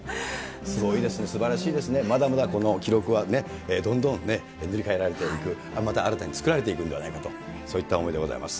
すごいですね、すばらしいですね、まだまだこの記録はどんどん塗り替えられていく、また新たに作られていくんではないかと、そういった思いでございます。